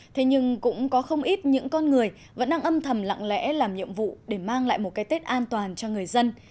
thế nhưng cũng có không ít những con người vẫn đang âm thầm lặng lẽ làm nhiệm vụ để mang lại một cái tết an toàn cho người dân